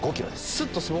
スッと。